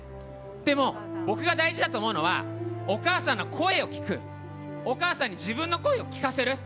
でも、僕が大事だと思うのはお母さんの声を聞くお母さんに自分の声を聞かせる。